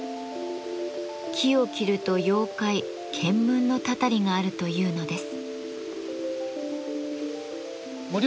木を切ると妖怪・ケンムンのたたりがあるというのです。